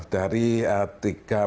dari tiga belas tujuh juta